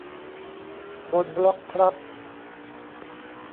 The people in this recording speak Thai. โดนบล็อคครับ